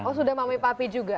oh sudah mami papi juga